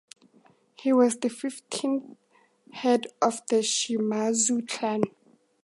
He was the fifteenth head of the Shimazu clan.